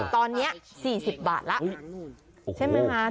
ตอนเนี้ยสี่สิบบาทละใช่ไหมฮะ